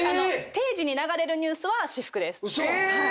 定時に流れるニュースは私服です。